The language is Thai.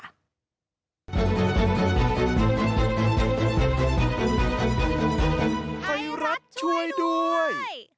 ไทยรัฐช่วยด้วย